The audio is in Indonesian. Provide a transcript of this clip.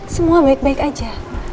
semua baik baik aja